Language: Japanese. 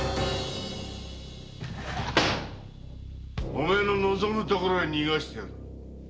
お前の望む所へ逃がしてやる。